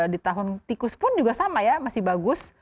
di tahun tikus pun juga sama ya masih bagus